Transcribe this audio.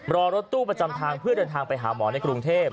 รอรถตู้ประจำทางเพื่อเดินทางไปหาหมอในกรุงเทพ